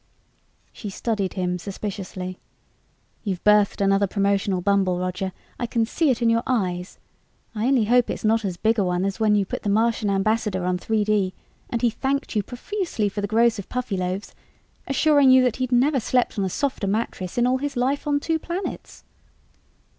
She studied him suspiciously. "You've birthed another promotional bumble, Roger. I can see it in your eyes. I only hope it's not as big a one as when you put the Martian ambassador on 3D and he thanked you profusely for the gross of Puffyloaves, assuring you that he'd never slept on a softer mattress in all his life on two planets."